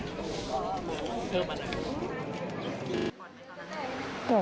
เชื่อมั่นอะ